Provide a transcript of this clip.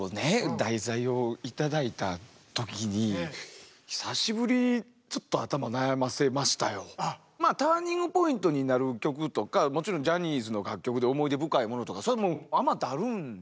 題材を頂いた時にまあターニングポイントになる曲とかもちろんジャニーズの楽曲で思い出深いものとかそれはもうあまたあるんですけど。